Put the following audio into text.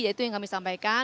itu yang kami sampaikan